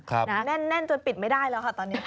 แน่นจนปิดไม่ได้แล้วค่ะตอนนี้